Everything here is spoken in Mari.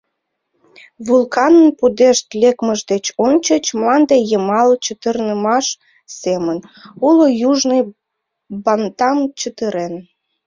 Вулканын пудешт лекмыж деч ончыч мланде йымал чытырнымаш семын, уло южный Бантам чытырен.